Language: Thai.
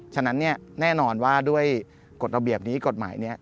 ฉะนั้นเนี่ยแน่นอนว่าด้วยกฎระเบียบนี้กฎหมายนี้